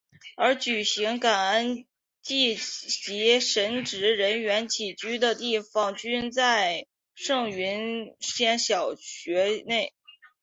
而举行感恩祭及神职人员起居的地方均在圣云仙小学内。